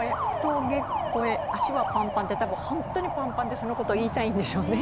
峠越え、足はパンパンって本当にパンパンでそのことを言いたいんでしょうね。